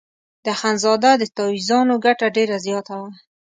د اخندزاده د تاویزانو ګټه ډېره زیاته وه.